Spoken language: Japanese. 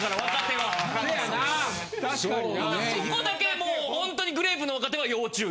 そこだけもうほんとにグレープの若手は要注意。